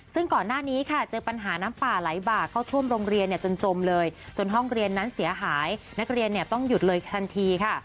ซึ่งก่อนหน้านี้ค่ะเจอปัญหาน้ำป่าไหลบ่าเข้าท่วมโรงเรียนเนี่ยจนจมเลยจนห้องเรียนนั้นเสียหายนักเรียนเนี่ยต้องหยุดเลยทันทีค่ะ